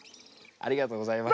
ありがとうございます。